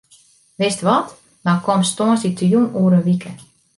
Wist wat, dan komst tongersdeitejûn oer in wike.